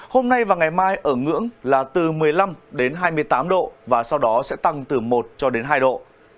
hôm nay và ngày mai ở ngưỡng là từ một mươi năm hai mươi tám độ và sau đó sẽ tăng từ một hai độ